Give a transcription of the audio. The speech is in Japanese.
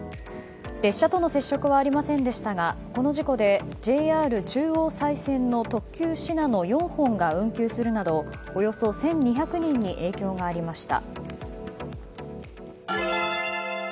列車との接触はありませんでしたがこの事故でＪＲ中央西線「特急しなの」４本が運休するなどおよそ１２００人に影響がありました。